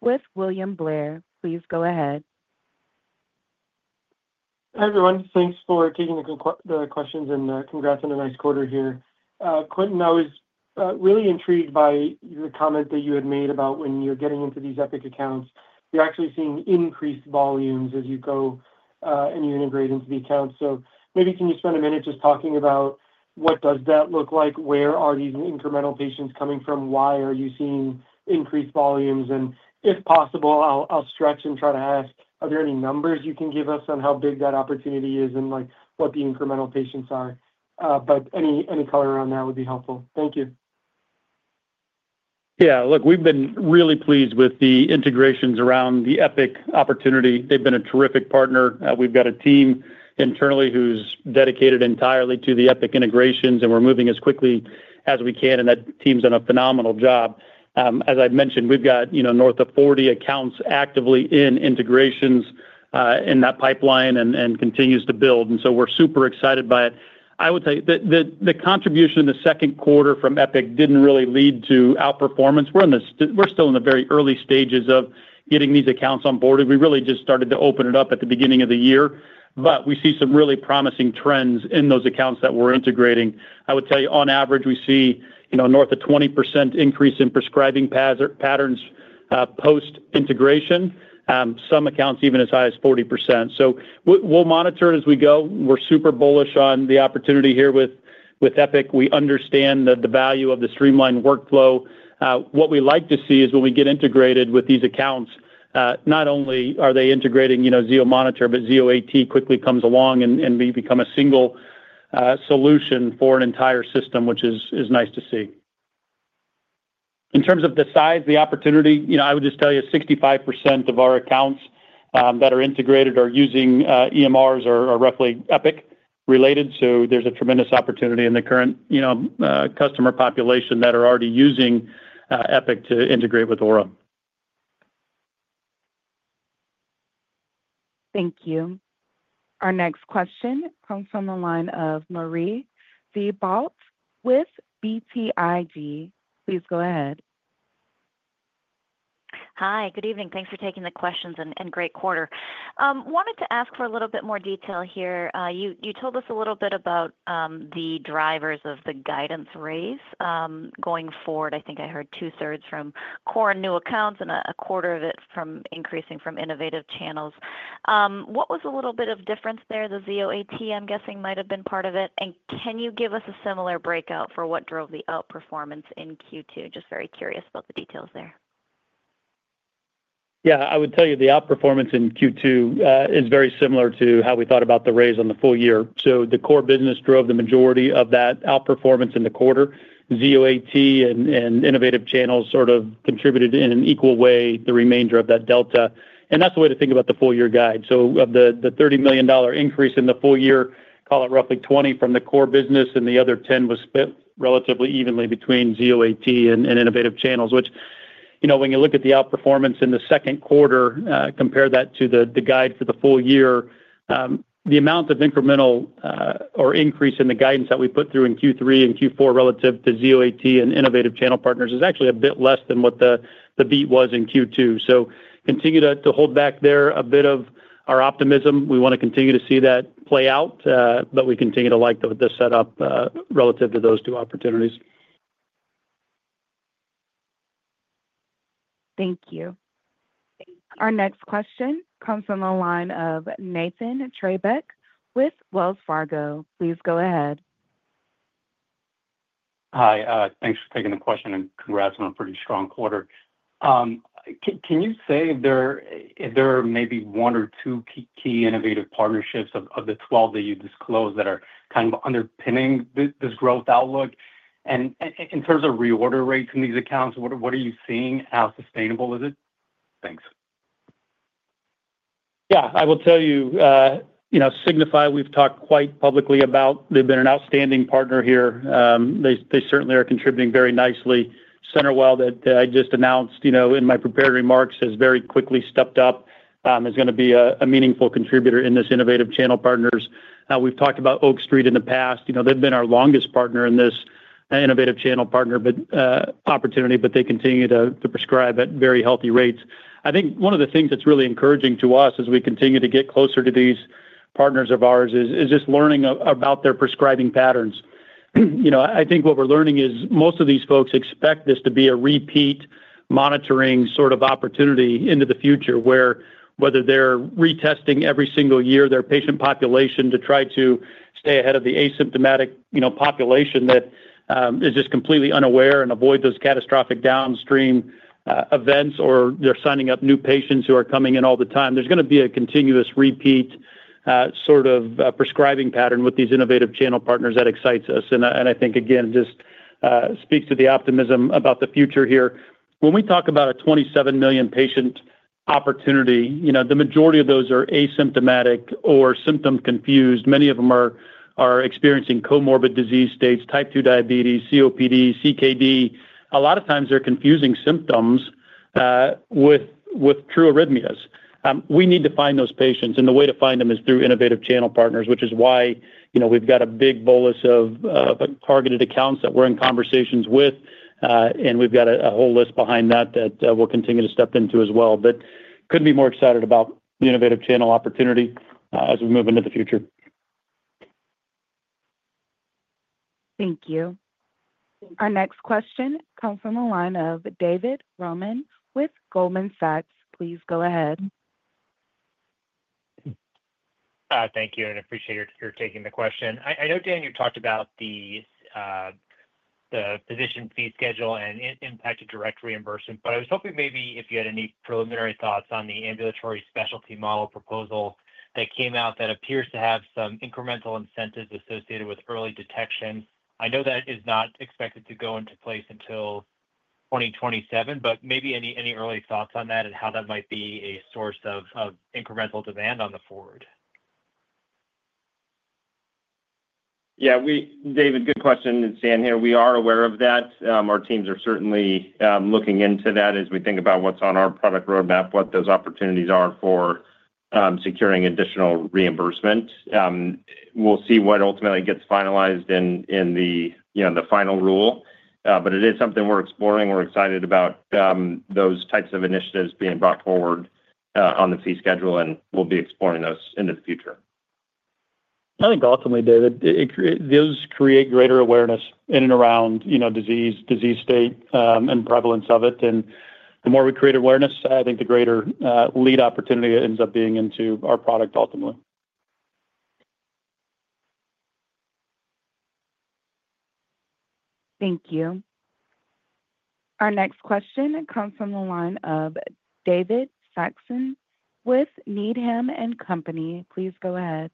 with William Blair. Please go ahead. Everyone, thanks for taking the questions and congrats on a nice quarter here. Quentin, I was really intrigued by the comment that you had made about when you're getting into these Epic accounts, you're actually seeing increased volumes as you go and you integrate into the account. Can you spend a minute just talking about what does that look like? Where are these incremental patients coming from? Why are you seeing increased volumes? If possible, I'll stretch and try to ask, are there any numbers you can give us on how big that opportunity is and what the incremental patients are? Any color on that would be helpful. Thank you. Yeah, look, we've been really pleased with the integrations around the Epic opportunity. They've been a terrific partner. We've got a team internally who's dedicated entirely to the Epic integrations, and we're moving as quickly as we can. That team's done a phenomenal job. As I mentioned, we've got north of 40 accounts actively in integrations in that pipeline and it continues to build. We are super excited by it. I would say that the contribution in the second quarter from Epic didn't really lead to outperformance. We're still in the very early stages of getting these accounts onboarded. We really just started to open it up at the beginning of the year. We see some really promising trends in those accounts that we're integrating. I would tell you, on average, we see north of 20% increase in prescribing patterns post integration. Some accounts even as high as 40%. We'll monitor it as we go. We're super bullish on the opportunity here with Epic. We understand the value of the streamlined workflow. What we like to see is when we get integrated with these accounts, not only are they integrating Zio Monitor, but Zio AT quickly comes along and we become a single solution for an entire system, which is nice to see in terms of the size, the opportunity. I would just tell you 65% of our accounts that are integrated are using EMRs are roughly Epic related. There's a tremendous opportunity in the current customer population that are already using Epic to integrate with Aura. Thank you. Our next question comes from the line of Marie Thibault with BTIG. Please go ahead. Hi, good evening. Thanks for taking the questions and great quarter. Wanted to ask for a little bit more detail here. You told us a little bit about the drivers of the guidance raise going forward. I think I heard 2/3 from core new accounts and 1/4 of it from increasing from innovative channels. What was a little bit of difference there? The Zio AT, I'm guessing, might have been part of it. Can you give us a similar breakout for what drove the outperformance in Q2? Just very curious about the details there. Yeah, I would tell you the outperformance in Q2 is very similar to how we thought about the raise on the full year. The core business drove the majority of that outperformance in the quarter. Zio AT and innovative channels sort of contributed in an equal way the remainder of that delta. That's the way to think about the full year guide. Of the $30 million increase in the full year, call it roughly $20 million from the core business and the other $10 million was split relatively evenly between Zio AT and innovative channels, which, when you look at the outperformance in the second quarter, compare that to the guide for the full year. The amount of incremental or increase in the guidance that we put through in Q3 and Q4 relative to Zio AT and innovative channel partners is actually a bit less than what the beat was in Q2. We continue to hold back there a bit of our optimism. We want to continue to see that play out, but we continue to like the setup relative to those two opportunities. Thank you. Our next question comes from the line of Nathan Treybeck with Wells Fargo. Please go ahead. Hi, thanks for taking the question and congrats on a pretty strong quarter. Can you say if there are maybe one or two key innovative partnerships of the 12 that you disclosed that are kind of underpinning this growth outlook? In terms of reorder rates in these accounts, what are you seeing? How sustainable is it? Thanks. Yeah, I will tell you, you know, Signify, we've talked quite publicly about, they've been an outstanding partner here. They certainly are contributing nicely. CenterWell that I just announced, you know, in my prepared remarks, has very quickly stepped up, is going to be a meaningful contributor in this innovative channel partners. We've talked about Oak Street in the past. You know, they've been our longest partner in this innovative channel partner opportunity, but they continue to prescribe at very healthy rates. I think one of the things that's really encouraging to us as we continue to get closer to these partners of ours is just learning about their prescribing patterns. You know, I think what we're learning is most of these folks expect this to be a repeat monitoring sort of opportunity into the future, where whether they're retesting every single year their patient population to try to stay ahead of the asymptomatic, you know, population that is just completely unaware and avoid those catastrophic downstream events, or they're signing up new patients who are coming in all the time. There's going to be a continuous repeat sort of prescribing pattern with these innovative channel partners that excites us. I think, again, just speaks to the optimism about the future here when we talk about a 27 million patient opportunity. You know, the majority of those are asymptomatic or symptom confused. Many of them are experiencing comorbid disease states, type 2 diabetes, COPD, CKD. A lot of times they're confusing symptoms with true arrhythmias. We need to find those patients, and the way to find them is through innovative channel partners, which is why, you know, we've got a big bolus of targeted accounts that we're in conversations with, and we've got a whole list behind that that we'll continue to step into as well. Couldn't be more excited about the innovative channel opportunity as we move into the future. Thank you. Our next question comes from the line of David Roman with Goldman Sachs. Please go ahead. Thank you. I appreciate your taking the question. I know, Dan, you talked about the physician fee schedule and impacted direct reimbursement, but I was hoping maybe if you had any preliminary thoughts on the ambulatory specialty model proposal that came out that appears to have some incremental incentives associated with early detection. I know that is not expected to go into place until 2027, but maybe any early thoughts on that and how that might be a source of incremental demand on the forward? Yeah, David, good question. Dan here. We are aware of that. Our teams are certainly looking into that as we think about what's on our product roadmap, what those opportunities are for securing additional reimbursement. We'll see what ultimately gets finalized in the final rule. It is something we're exploring. We're excited about those types of initiatives being brought forward on the fee schedule, and we'll be exploring those into the future. I think ultimately, David, those create greater awareness in and around disease, disease state and prevalence of it. The more we create awareness, I think the greater lead opportunity ends up being into our product ultimately. Thank you. Our next question comes from the line of David Saxon with Needham & Company. Please go ahead.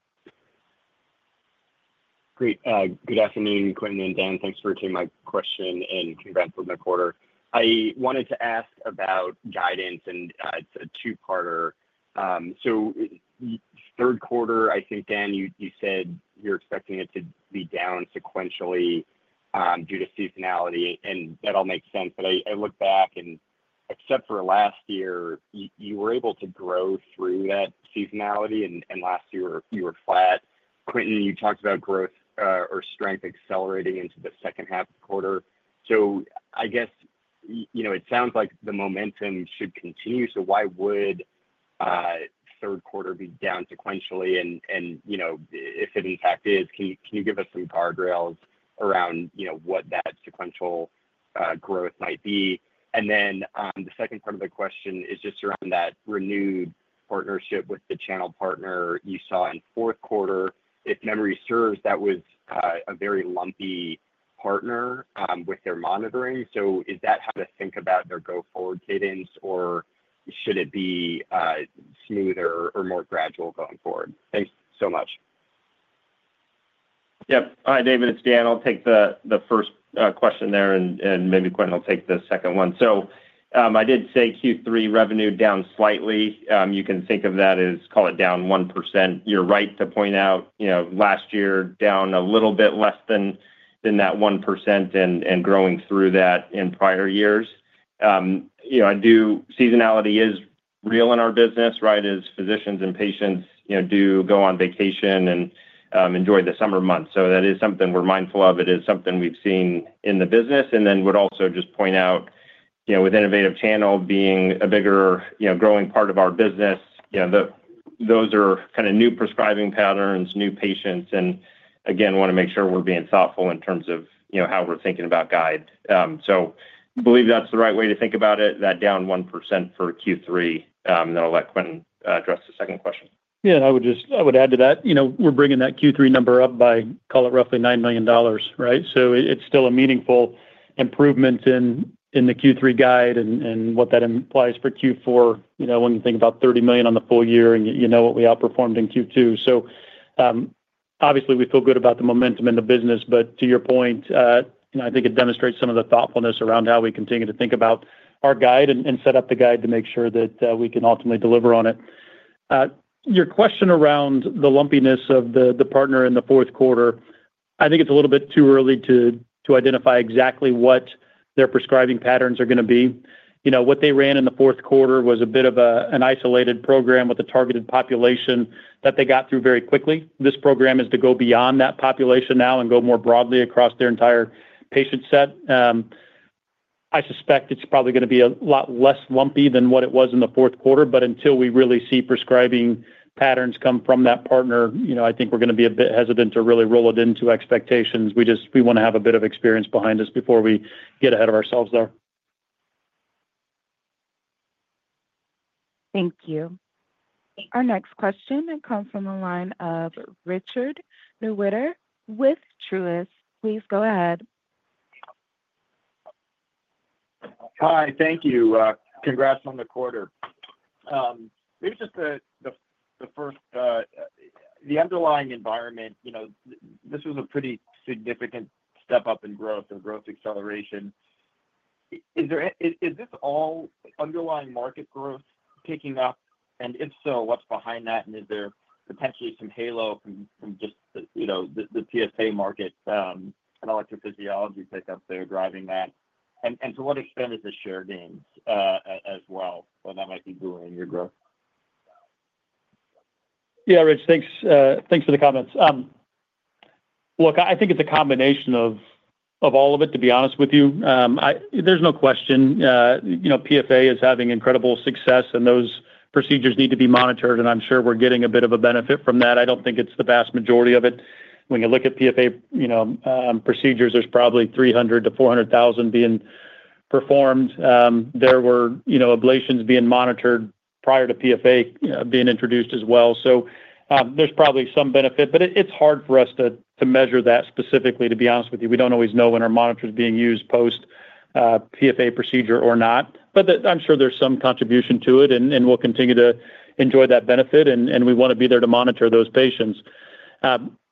Great. Good afternoon, Quentin and Dan. Thanks for taking my question and congrats on the quarter. I wanted to ask about guidance and it's a two-parter, so third quarter, I think. Dan, you said you're expecting it to be down sequentially due to seasonality and that all makes sense. I look back and except for last year you were able to grow through that seasonality and last year you were flat. Quentin, you talked about growth or strength accelerating into the second half quarter. I guess it sounds like the momentum should continue. Why would third quarter be down sequentially? If it in fact is, can you give us some guardrails around what that sequential growth might be? The second part of the question is just around that renewed partnership with the channel partner you saw in fourth quarter. If memory serves, that was a very lumpy partner with their monitoring. Is that how to think about their go-forward cadence, or should it be smoother or more gradual going forward? Thanks so much. Yep. Hi, David, it's Dan. I'll take the first question there and maybe Quentin will take the second one. I did say Q3 revenue down slightly. You can think of that as, call it, down 1%. You're right to point out last year down a little bit less than that 1% and growing through that in prior years. Seasonality is real in our business. As physicians and patients do go on vacation and enjoy the summer months, that is something we're mindful of. It is something we've seen in the business. I would also just point out, with innovative channel being a bigger, growing part of our business, those are kind of new prescribing patterns, new patients, and again, want to make sure we're being thoughtful in terms of how we're thinking about guide, so believe that's the right way to think about it. That down 1% for Q3, then I'll let Quentin address the second question. I would add. to that, we're bringing that Q3 number up by, call it, roughly $9 million. Right? It's still a meaningful improvement in the Q3 guide and what that implies for Q4. When you think about $30 million on the full year and what we outperformed in Q2, we feel good about the momentum in the business. To your point, I think it demonstrates some of the thoughtfulness around how we continue to think about our guide and set up the guide to make sure that we can ultimately deliver on it. Your question around the lumpiness of the partner in the fourth quarter, I think it's a little bit too early to identify exactly what their prescribing patterns are going to be. What they ran in the fourth quarter was a bit of an isolated program with a targeted population that they got through very quickly. This program is to go beyond that population now and go more broadly across their entire patient set. I suspect it's probably going to be a lot less lumpy than what it was in the fourth quarter. Until we really see prescribing patterns come from that partner, I think we're going to be a bit hesitant to really roll it into expectations. We want to have a bit of experience behind us before we get ahead of ourselves there. Thank you. Our next question comes from the line of Richard Newitter with Truist. Please go ahead. Hi. Thank you. Congrats on the quarter. Maybe just the first, the underlying environment. You know, this was a pretty significant step up in growth or growth acceleration. Is this all underlying market growth picking up, and if so, what's behind that? Is there potentially some halo from the PFA market and electrophysiology pickup there driving that? To what extent is the share gains as well that might be buoying your growth? Yeah, Rich, thanks for the comments. Look, I think it's a combination of all of it, to be honest with you. There's no question, you know, PFA is having incredible success and those procedures need to be monitored. I'm sure we're getting a bit of a benefit from that. I don't think it's the vast majority of it. When you look at PFA procedures, there's probably 300,000-400,000 being performed. There were ablations being monitored prior to PFA being introduced as well. There's probably some benefit. It's hard for us to measure that specifically, to be honest with you. We don't always know when our monitor is being used post-PFA procedure or not. I'm sure there's some contribution to it and we'll continue to enjoy that benefit and we want to be there to monitor those patients.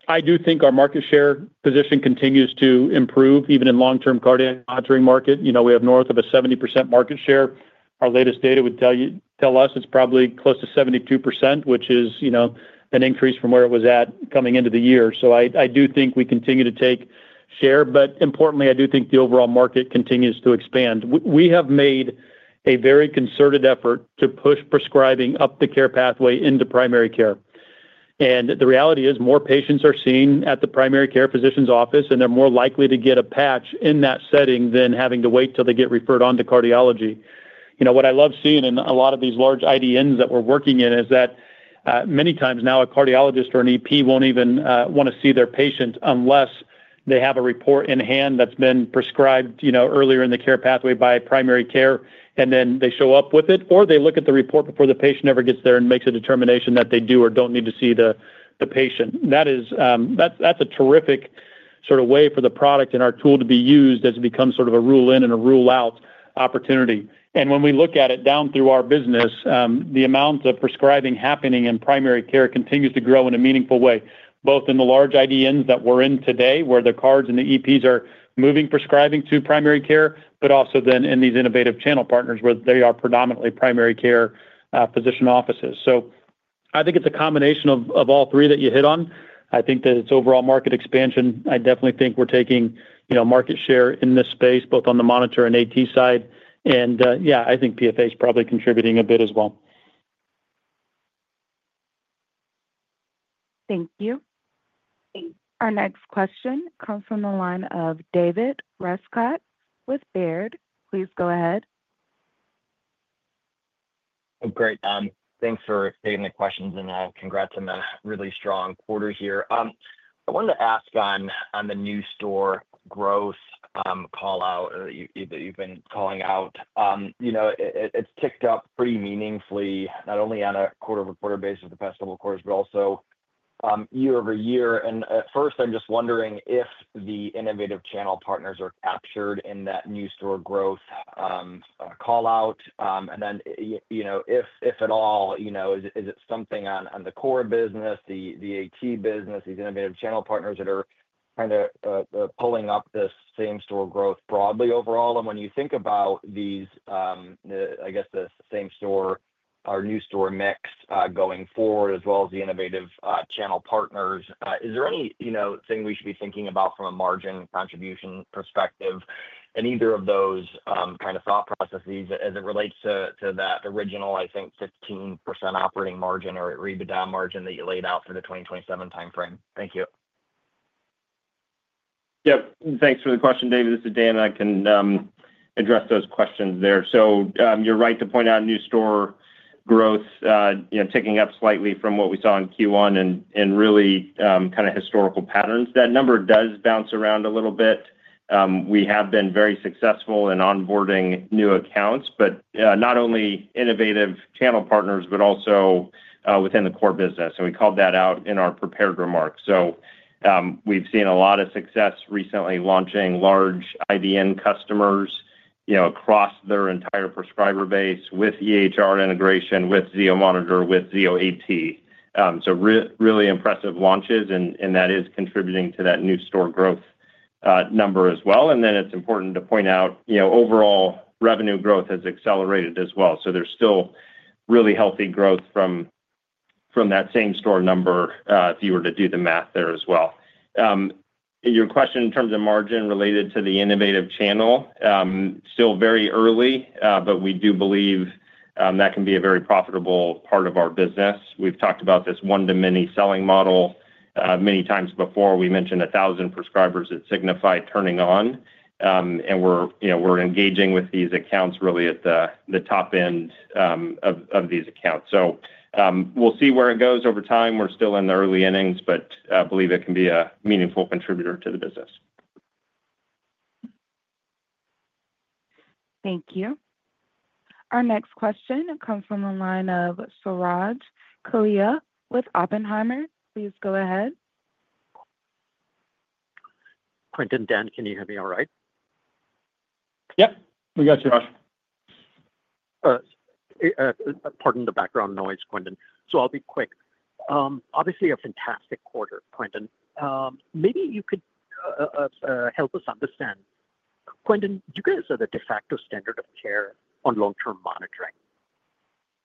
I do think our market share position continues to improve even in long-term cardiac monitoring market. We have north of a 70% market share. Our latest data would tell you, tell us it's probably close to 72%, which is an increase from where it was at coming into the year. I do think we continue to take share. Importantly, I do think the overall market continues to expand. We have made a very concerted effort to push prescribing up the care pathway into primary care. The reality is more patients are seen at the primary care physician's office and they're more likely to get a patch in that setting than having to wait till they get referred to cardiology. What I love seeing in a lot of these large IDNs that we're working in is that many times now a cardiologist or an EP won't even want to see their patient unless they have a report in hand that's been prescribed earlier in the care pathway by primary care and then they show up with it or they look at the report before the patient ever gets there and make a determination that they do or don't need to see the patient. That's a terrific sort of way for the product and our tool to be used as it becomes sort of a rule in and a rule out opportunity. When we look at it down through our business, the amount of prescribing happening in primary care continues to grow in a meaningful way, both in the large IDNs that we're in today, where the cards and the EPs are moving prescribing to primary care, but also then in these innovative channel partners where they are predominantly primary care physician offices. I think it's a combination of all three that you hit on. I think that it's overall market expansion. I definitely think we're taking market share in this space both on the monitor and AT side. I think PFA is probably contributing a bit as well. Thank you. Our next question comes from the line of David Rescott with Baird. Please go ahead. Great. Thanks for taking the questions and congrats on a really strong quarter here. I wanted to ask on the new store growth call out that you've been calling out, you know, it's ticked up pretty meaningfully not only on a quarter-to -quarter basis the past couple quarters, but also year-over-year, at first I'm just wondering if the innovative channel partners are captured in that new store growth call out. If at all, is it something on core business, the AT business, these innovative channel partners that are kind of pulling up this same store growth broadly overall. When you think about these, I guess the same store or new store mix going forward as well as the innovative channel partners, is there anything we should be thinking about from a margin contribution perspective in either of those kind of thought processes as it relates to that original, I think 15% operating margin or EBITDA margin that you laid out for the 2027 frame? Thank you. Yep, thanks for the question. David. This is Dan. I can address those questions there. You're right to point out new store growth, ticking up slightly from what we saw in Q1 and really kind of historical patterns. That number does bounce around a little bit. We have been very successful in onboarding new accounts, not only innovative channel partners, but also within the core business. We called that out in our prepared remarks. We've seen a lot of success recently launching large IDN customers across their entire prescriber base with EHR integration with Zio Monitor, with Zio AT, so really impressive launches and that is contributing to that new store growth number as well. It's important to point out overall revenue growth has accelerated as well. There's still really healthy growth from that same store number if you were to do the math there as well. Your question in terms of margin related to the innovative channel, still very early, but we do believe that can be a very profitable part of our business. We've talked about this one to many selling model many times before. We mentioned 1,000 prescribers that Signify turning on and we're engaging with these accounts really at the top end of these accounts. We'll see where it goes over time. We're still in the early innings, but believe it can be a meaningful contributor to the business. Thank you. Our next question comes from the line of Suraj Kalia with Oppenheimer. Please go ahead. Quentin, Dan, can you hear me all right? Yep, we got you. Pardon the background noise, Quentin. I'll be quick. Obviously a fantastic quarter. Quentin, maybe you could help us understand, you guys are the de facto standard of care on long term monitoring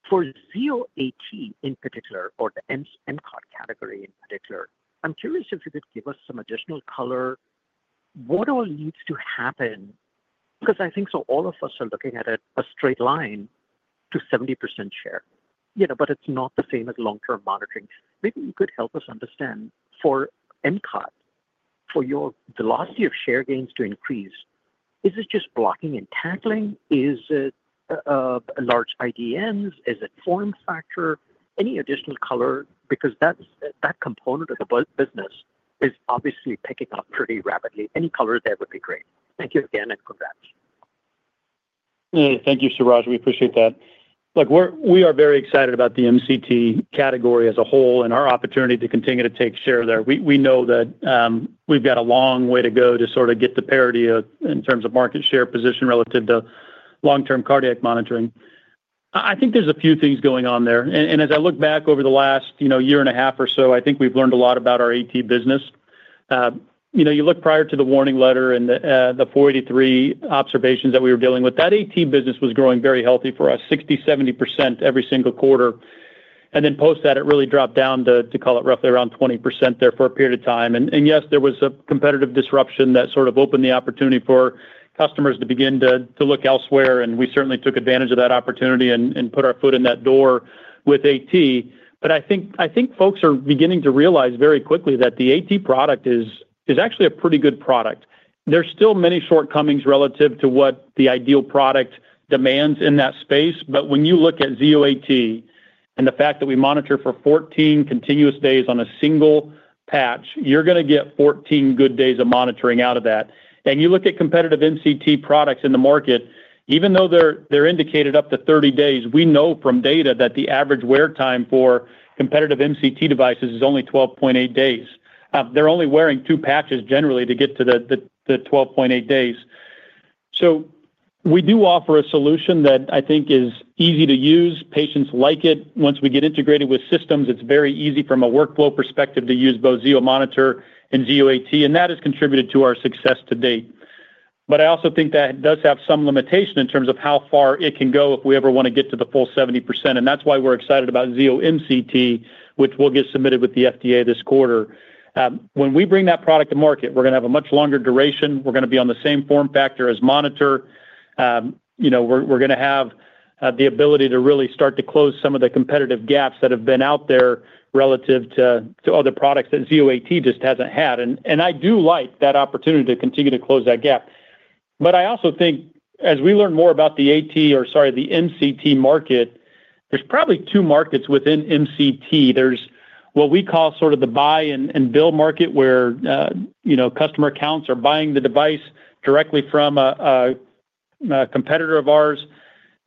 for Zio AT in particular or the. MCOT category in particular. I'm curious if you could give us some additional color what all needs to happen because I think so. All of us are looking at it a straight line to 70% share, but it's not the same as long term monitoring. Maybe you could help us understand for MCOT, for your velocity of share gains to increase, is it just blocking and tackling, is it large IDNs, is it form factor, any additional color? That component of the business is obviously picking up pretty rapidly. Any color there would be great. Thank you again and congrats. Thank you, Suraj. We appreciate that. Look, we are very excited about the MCT category as a whole and our opportunity to continue to take share there. We know that we've got a long way to go to sort of get the parity in terms of market share position relative to long term cardiac monitoring. I think there's a few things going on there and as I look back over the last year and a half or so, I think we've learned a lot about our AT business. You know, you look prior to the warning letter and the 483 observations that we were dealing with, that AT business was growing very healthy for us, 60%, 70% every single quarter. Then post that it really dropped down to, call it, roughly around 20% there for a period of time. Yes, there was a competitive disruption that sort of opened the opportunity for customers to begin to look elsewhere. We certainly took advantage of that opportunity and put our foot in that door with AT. I think folks are beginning to realize very quickly that the AT product is actually a pretty good product. There are still many shortcomings relative to what the ideal product demands in that space. When you look at Zio AT and the fact that we monitor for 14 continuous days on a single patch, you're going to get 14 good days of monitoring out of that. You look at competitive MCT products in the market, even though they're indicated up to 30 days, we know from data that the average wear time for competitive MCT devices is only 12.8 days. They're only wearing two patches generally to get to the 12.8 days. We do offer a solution that I think is easy to use. Patients like it. Once we get integrated with systems, it's very easy from a workflow perspective to use both Zio Monitor and Zio AT. That has contributed to our success to date. I also think that does have some limitation in terms of how far it can go if we ever want to get to the full 70%. That is why we're excited about Zio MCT, which will get submitted with the FDA this quarter. When we bring that product to market, we're going to have a much longer duration. We're going to be on the same form factor as Monitor. We're going to have the ability to really start to close some of the competitive gaps that have been out there relative to other products that Zio AT just hasn't had. I do like that opportunity to continue to close that gap. I also think as we learn more about the AT, or sorry, the MCT market, there are probably two markets within MCT. There is what we call sort of the buy and build market where customer accounts are buying the device directly from a competitor of ours.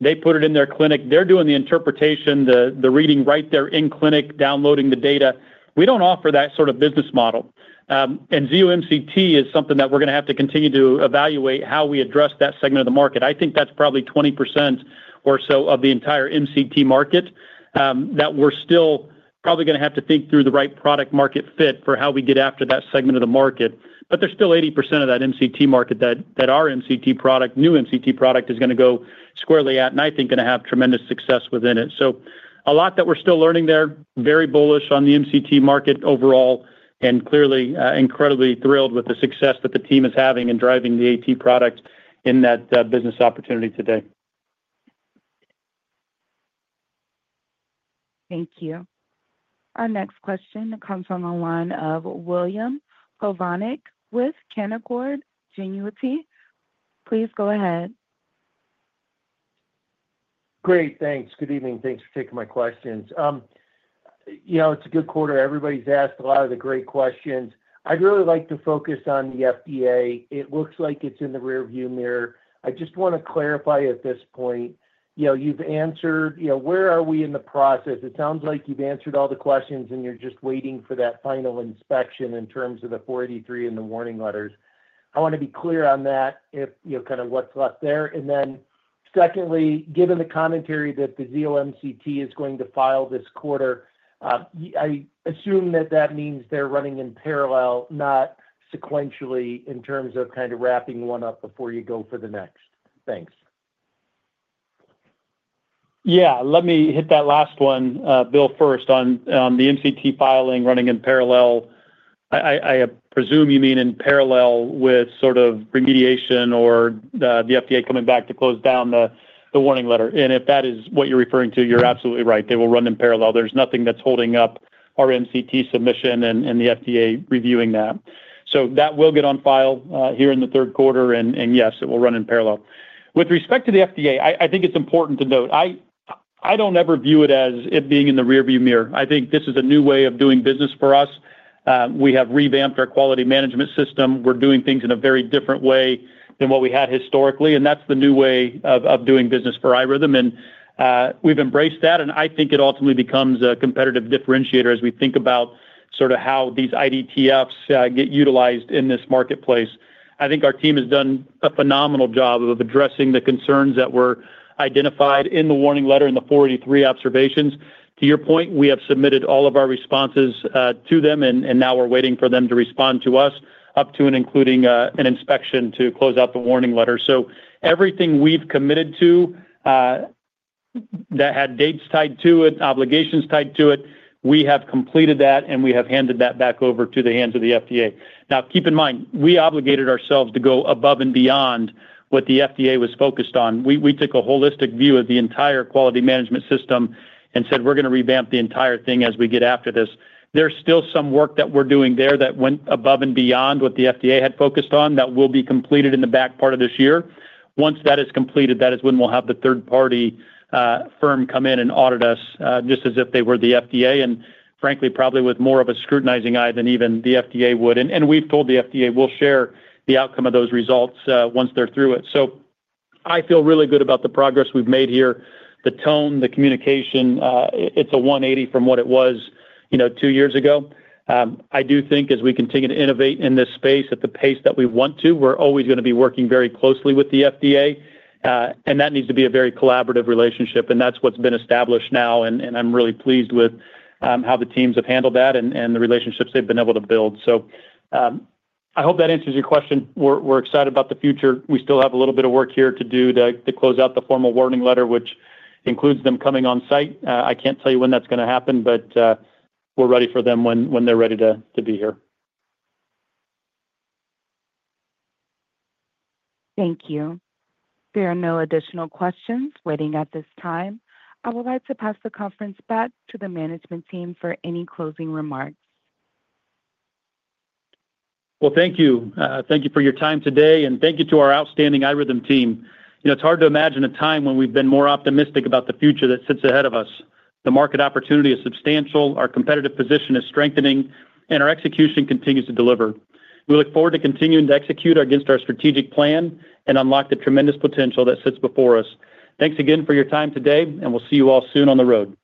They put it in their clinic, they're doing the interpretation, the reading right there in clinic, downloading the data. We don't offer that sort of business model. Zio MCT is something that we're going to have to continue to evaluate how we address that segment of the market. I think that's probably 20% or so of the entire MCT market that we're still probably going to have to think through the right product market fit for how we get after that segment of the market. There is still 80% of that MCT market that our MCT product, new MCT product, is going to go squarely at and I think going to have tremendous success within it. So, a lot that we're still learning there. Very bullish on the MCT market overall and clearly incredibly thrilled with the success that the team is having in driving the AT product in that business opportunity today. Thank you. Our next question comes from the line of William Plovanic with Canaccord Genuity. Please go ahead. Great, thanks. Good evening. Thanks for taking my questions. You know, it's a good quarter. Everybody's asked a lot of the great questions. I'd really like to focus on the FDA. It looks like it's in the rearview mirror. I just want to clarify at this point, you've answered, where are we in the process? It sounds like you've answered all the questions and you're just waiting for that final inspection. In terms of the 483 observations and the warning letters, I want to be clear on that. If you're kind of what's left there. Secondly, given the commentary that the Zio MCT is going to file this quarter, I assume that that means they're running in parallel, not sequentially, in terms of kind of wrapping one up before you go for the next. Thanks. Yeah, let me hit that last one, Bill. First, on the MCT filing, running in parallel, I presume you mean in parallel with sort of remediation or the FDA coming back to close down the warning letter. If that is what you're referring to, you're absolutely right. They will run in parallel. There's nothing that's holding up our MCT submission and the FDA reviewing that. That will get on file here in the third quarter, and yes, it will run in parallel. With respect to the FDA, I think it's important to note, I don't ever view it as it being in the rearview mirror. I think this is a new way of doing business for us. We have revamped our quality management system. We're doing things in a very different way than what we had historically. That's the new way of doing business for iRhythm and we've embraced that. I think it ultimately becomes a competitive differentiator as we think about sort of how these IDTFs get utilized in this marketplace. I think our team has done a phenomenal job of addressing the concerns that were identified in the warning letter, in the 483 observations. To your point, we have submitted all of our responses to them and now we're waiting for them to respond to us, up to and including an inspection to close out the warning letter. Everything we've committed to that had dates tied to it, obligations tied to it, we have completed that, and we have handed that back over to the hands of the FDA. Now keep in mind, we obligated ourselves to go above and beyond what the FDA was focused on. We took a holistic view of the entire quality management system and said we're going to revamp the entire thing as we get after this. There's still some work that we're doing there that went above and beyond what the FDA had focused on. That will be completed in the back part of this year. Once that is completed, that is when we'll have the third-party firm come in and audit us just as if they were the FDA, and frankly, probably with more of a scrutinizing eye than even the FDA would. We've told the FDA we'll share the outcome of those results once they're through it. I feel really good about the progress we've made here, the tone, the communication. It's a 180 from what it was, you know, two years ago. I do think as we continue to innovate in this space at the pace that we want to, we're always going to be working very closely with the FDA. That needs to be a very collaborative relationship. That's what's been established now. I'm really pleased with how the teams have handled that and the relationships they've been able to build. I hope that answers your question. We're excited about the future. We still have a little bit of work here to do to close out the formal warning letter, which includes them coming on site. I can't tell you when that's going to happen, but we're ready for them when they're ready to be here. Thank you. There are no additional questions waiting at this time. I would like to pass the conference back to the management team for any closing remarks. Thank you. Thank you for your time today, and thank you to our outstanding iRhythm team. You know, it's hard to imagine a time when we've been more optimistic about the future that sits ahead of us. The market opportunity is substantial. Our competitive position is strengthening, and our execution continues to deliver. We look forward to continuing to execute against our strategic plan and unlock the tremendous potential that sits before us. Thanks again for your time today, and we'll see you all soon on the road.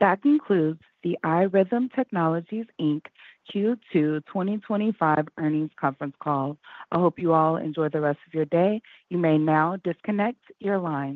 That concludes the iRhythm Technologies, Inc. Q2 2025 earnings conference call. I hope you all enjoy the rest of your day. You may now disconnect your lines.